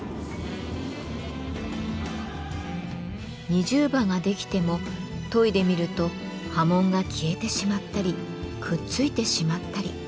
二重刃が出来ても研いでみると刃文が消えてしまったりくっついてしまったり。